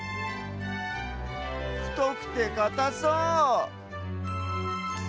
ふとくてかたそう！